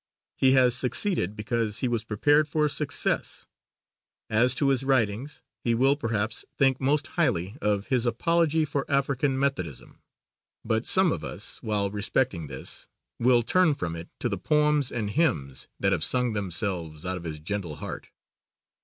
He has succeeded because he was prepared for success. As to his writings, he will, perhaps, think most highly of "His Apology For African Methodism;" but some of us, while respecting this, will turn from it to the poems and hymns that have sung themselves out of his gentle heart.